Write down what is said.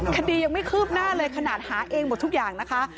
คดียังไม่คืบหน้าเลยขนาดหาเองหมดทุกอย่างนะคะ